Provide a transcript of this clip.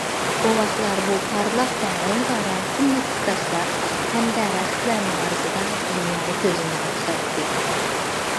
بوۋاقلار بۇ پارلاق ۋە رەڭگارەڭ قىممەتلىك تاشلار ھەمدە رەختلەرنىڭ ئارىسىدا دۇنياغا كۆزىنى ئاچاتتى.